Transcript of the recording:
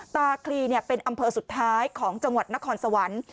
คลีเป็นอำเภอสุดท้ายของจังหวัดนครสวรรค์